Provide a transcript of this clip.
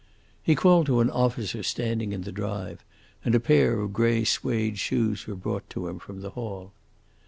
He called to an officer standing in the drive, and a pair of grey suede shoes were brought to him from the hall.